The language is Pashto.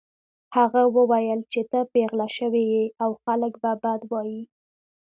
هغه وویل چې ته پیغله شوې يې او خلک به بد وايي